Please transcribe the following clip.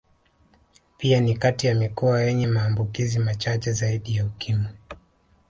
Pia ni kati ya mikoa yenye maambukizi machache zaidi ya Ukimwi